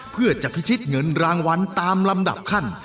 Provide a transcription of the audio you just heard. เพื่อจะพิชิตเงินรางวัลตามลำดับขั้น